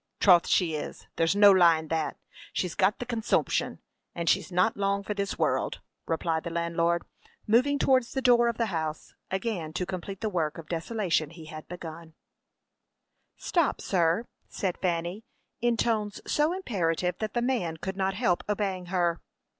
"Troth she is; there's no lie in that; she's got the consoomption, and she's not long for this world," replied the landlord, moving towards the door of the house, again to complete the work of desolation he had begun. [Illustration: THE CRUEL LANDLORD. Page 103.] "Stop, sir!" said Fanny, in tones so imperative that the man could not help obeying her.